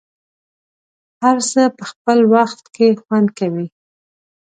هر څه په خپل وخت کې خوند کوي.